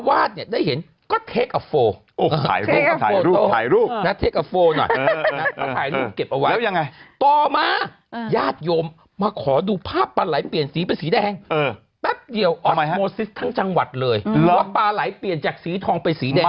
อุ้ยหรือฮู้ศักดิ์สิทธิ์แล้วยังไงนะฮะแล้วยังไง